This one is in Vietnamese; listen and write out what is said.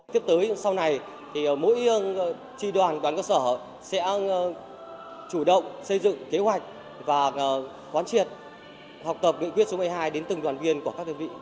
tiếp tới sau này mỗi tri đoàn đoàn cơ sở sẽ chủ động xây dựng kế hoạch và quán triệt học tập nghị quyết số một mươi hai đến từng đoàn viên của các đơn vị